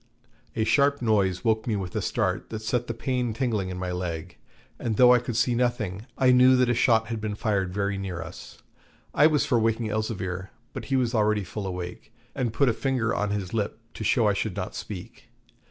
A sharp noise woke me with a start that set the pain tingling in my leg, and though I could see nothing, I knew that a shot had been fired very near us. I was for waking Elzevir, but he was already full awake, and put a finger on his lip to show I should not speak.